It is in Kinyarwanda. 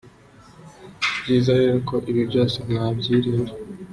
Ni byiza rero ko ibi byose mwabyirinda.